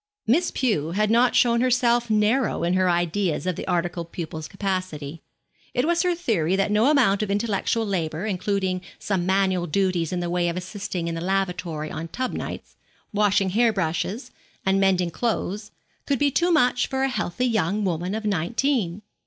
Miss Pew had not shown herself narrow in her ideas of the articled pupil's capacity. It was her theory that no amount of intellectual labour, including some manual duties in the way of assisting in the lavatory on tub nights, washing hair brushes, and mending clothes, could be too much for a healthy young woman of nineteen.